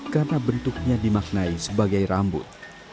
karena bentuknya dimaknai sebagai rambut